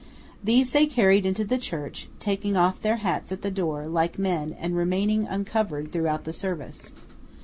These they carried into the church; taking off their hats at the door, like men, and remaining uncovered throughout the service.